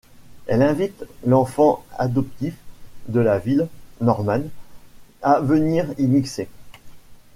Elle invite l'enfant adoptif de la ville, Norman, à venir y mixer.